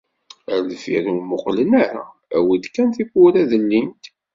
Ar deffir ur muqqlen ara, awi-d kan tiwwura ad llint.